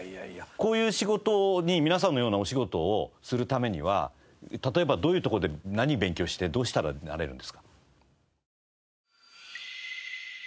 こういう仕事に皆さんのようなお仕事をするためには例えばどういう所で何を勉強してどうしたらなれるんですか？